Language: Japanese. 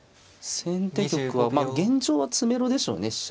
先手玉はまあ現状は詰めろでしょうね。